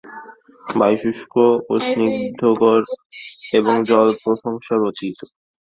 বায়ু শুষ্ক ও স্নিগ্ধকর, এবং জল প্রশংসার অতীত।